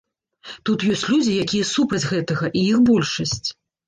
Тут ёсць людзі, якія супраць гэтага, і іх большасць.